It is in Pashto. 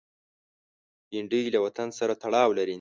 بېنډۍ له وطن سره تړاو لري